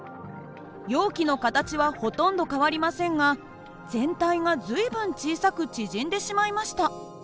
容器の形はほとんど変わりませんが全体が随分小さく縮んでしまいました。